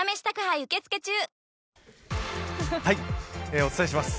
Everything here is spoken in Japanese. お伝えします。